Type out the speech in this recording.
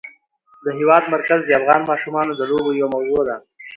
د هېواد مرکز د افغان ماشومانو د لوبو یوه موضوع ده.